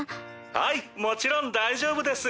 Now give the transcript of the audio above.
はいもちろん大丈夫です。